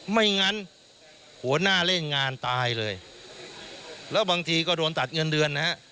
ไม่งั้นหัวหน้าเล่นงานตายเลยแล้วบางทีก็โดนตัดเงินเดือนนะฮะ